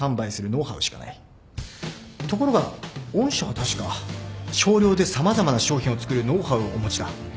ところが御社は確か少量で様々な商品を作るノウハウをお持ちだ。